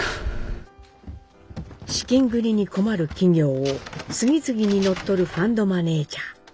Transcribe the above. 資金繰りに困る企業を次々に乗っ取るファンドマネージャー。